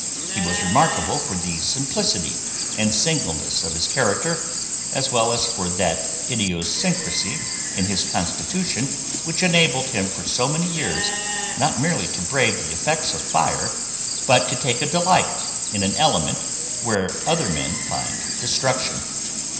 He was remarkable for the simplicity and singleness of his character, as well as for that idiosyncrasy in his constitution, which enabled him for so many years, not merely to brave the effects of fire, but to take a delight in an element where other men find destruction.